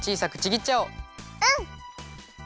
うん！